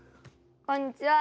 こんにちは。